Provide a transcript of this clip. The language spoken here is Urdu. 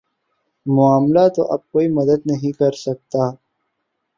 معاملہ تو اب کوئی مدد نہیں کر سکتا